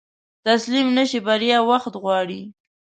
تسليم نشې، بريا وخت غواړي.